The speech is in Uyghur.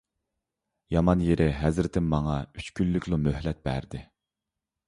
يامان يېرى، ھەزرىتىم ماڭا ئۈچ كۈنلۈكلا مۆھلەت بەردى.